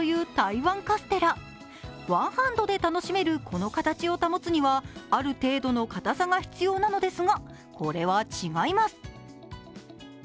ワンハンドで楽しめるこの形を保つにはある程度の硬さが必要なのですが、これは違います。